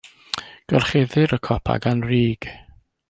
Gorchuddir y copa gan rug.